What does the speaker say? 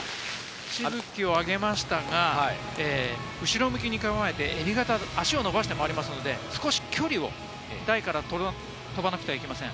水しぶきを上げましたが、後ろ向きに構えて足を伸ばして回りますので、少し距離を台から飛ばなくてはなりません、